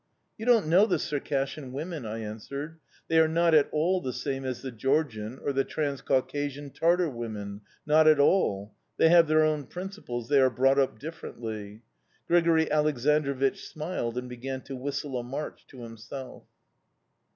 "'You don't know the Circassian women,' I answered. 'They are not at all the same as the Georgian or the Transcaucasian Tartar women not at all! They have their own principles, they are brought up differently.' "Grigori Aleksandrovich smiled and began to whistle a march to himself."